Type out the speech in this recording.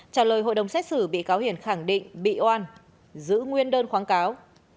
trả lời hội đồng xét xử bị cáo hiền khẳng định bị oan giữ nguyên đơn kháng cáo